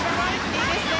いいですね。